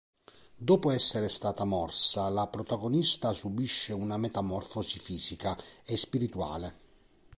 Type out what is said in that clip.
Dopo essere stata morsa, la protagonista subisce una metamorfosi fisica e spirituale.